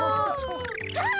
あっ！